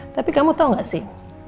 tapi kamu tahu gak sih